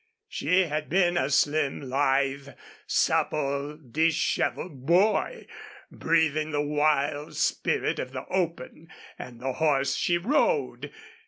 She had been a slim, lithe, supple, disheveled boy, breathing the wild spirit of the open and the horse she rode.